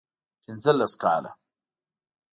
پنځه لس کاله